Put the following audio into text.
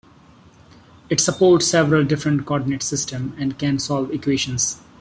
It supports several different coordinate systems, and can solve equations.